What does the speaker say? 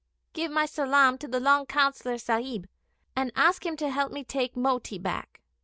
'Give my salaam to the long Councillor Sahib, and ask him to help me take Moti back!'